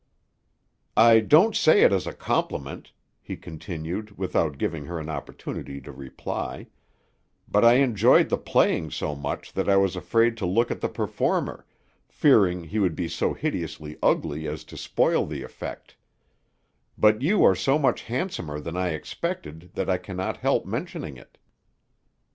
"I don't say it as a compliment," he continued, without giving her an opportunity to reply; "but I enjoyed the playing so much that I was afraid to look at the performer, fearing he would be so hideously ugly as to spoil the effect; but you are so much handsomer than I expected that I cannot help mentioning it."